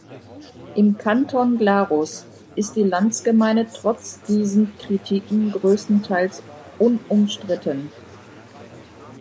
Im Kanton Glarus ist die Landsgemeinde trotz diesen Kritiken grösstenteils unumstritten.